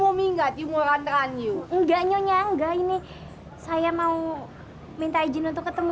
mau minggat imoran terang yuk enggak nyonya enggak ini saya mau minta izin untuk ketemu